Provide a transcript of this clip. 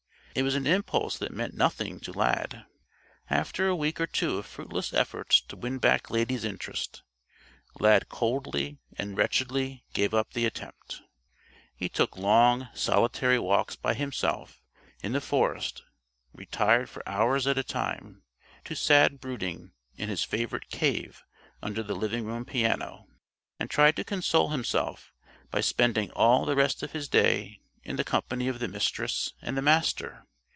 It was an impulse that meant nothing to Lad. After a week or two of fruitless effort to win back Lady's interest, Lad coldly and wretchedly gave up the attempt. He took long solitary walks by himself in the forest, retired for hours at a time to sad brooding in his favorite "cave" under the living room piano, and tried to console himself by spending all the rest of his day in the company of the Mistress and the Master.